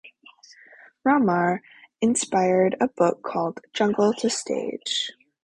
Ramar inspired a book called "Jungle to Stage".